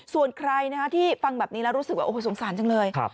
ส่วนใครที่ฟังแบบนี้แล้วรู้สึกว่าโอ้โหสงสารจังเลย